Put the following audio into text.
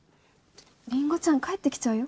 りんごちゃん帰ってきちゃうよ